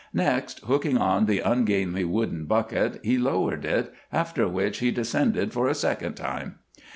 Next, hooking on the ungainly wooden bucket, he lowered it, after which he descended for a second time.